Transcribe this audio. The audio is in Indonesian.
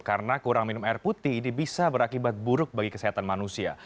karena kurang minum air putih ini bisa berakibat buruk bagi kesehatan manusia